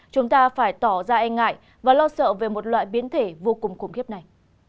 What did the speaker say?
chúng ta phải tỏ ra e ngại và lo sợ về một loại biến thể vô cùng khủng khiếp này